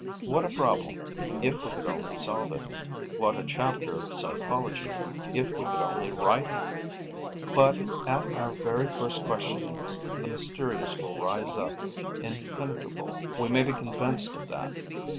What a problem, if we could only solve it; what a chapter of psychology, if we could only write it! But, at our very first questionings, the mysterious will rise up, impenetrable: we may be convinced of that.